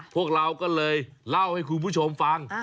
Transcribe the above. พวกเราก็เลยเล่าให้คุณผู้ชมฟัง